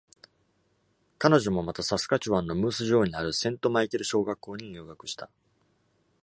彼女もまた、Saskatchewan の Moose Jaw にある Saint Michael 小学校に入学した。